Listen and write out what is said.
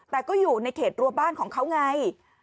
แต่ก็อยู่ในเขตรัวบ้านของเขาไง